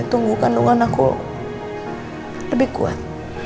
tunggu kandungan aku lebih kuat